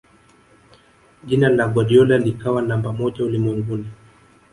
jina la guardiola likawa namba moja ulimwenguni